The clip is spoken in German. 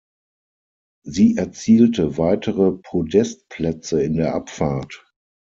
Sie erzielte weitere Podestplätze in der Abfahrt.